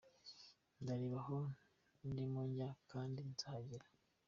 Ndareba aho ndimo njya kandi nzahagera.